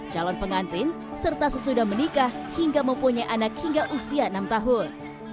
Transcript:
calon pengantin serta sesudah menikah hingga mempunyai anak hingga usia enam tahun